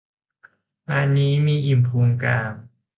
งานนี้มีอิ่มพุงกาง